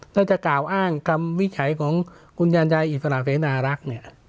ถ้าจะกล่าวอ้างคำวิชัยของคุณยานใจอิสระเศรษฐานารักษ์